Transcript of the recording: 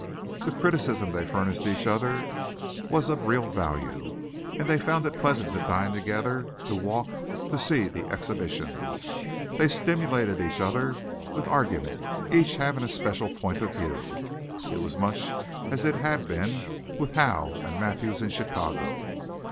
The criticism they furnished each other was of real value. And they found it pleasant to dine together, to walk, to see the exhibitions. They stimulated each other with argument, each having a special point of view. It was much as it had been with Howe and Mathews in Chicago.